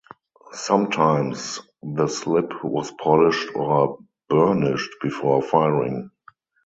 Sometimes the slip was polished or burnished before firing.